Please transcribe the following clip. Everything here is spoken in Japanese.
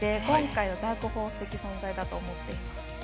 今回のダークホース的存在だと思っています。